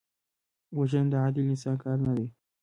وژنه د عادل انسان کار نه دی